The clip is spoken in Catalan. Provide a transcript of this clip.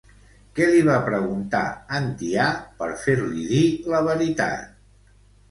Què li va preguntar, en Tià, per fer-li dir la veritat?